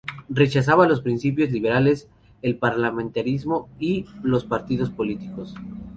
Rechazaba los principios liberales, el parlamentarismo y los partidos políticos.